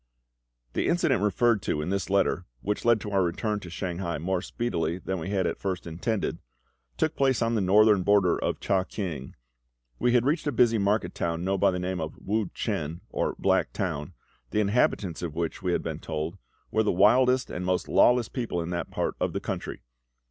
The incident referred to in this letter, which led to our return to Shanghai more speedily than we had at first intended, took place on the northern border of CHEH KIANG. We had reached a busy market town known by the name of Wu chen, or Black Town, the inhabitants of which, we had been told, were the wildest and most lawless people in that part of the country.